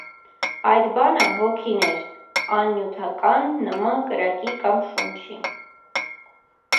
Այդ բանը «հոգին էր»՝ աննիւթական, նման կրակի կամ շունչի։